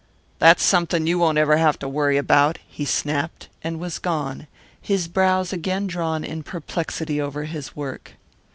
"That's something you won't ever have to worry about," he snapped, and was gone, his brows again drawn in perplexity over his work.